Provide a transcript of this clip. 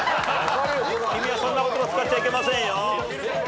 君はそんな言葉使っちゃいけませんよ。